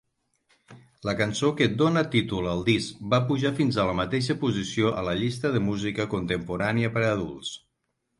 La cançó que dóna títol al disc va pujar fins a la mateixa posició a la llista de música contemporània per a adults.